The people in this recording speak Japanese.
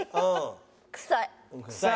臭い？